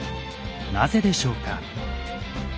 なぜでしょうか？